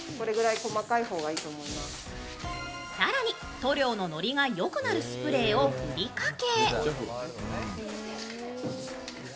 塗料ののりがよくなるスプレーをふりかけ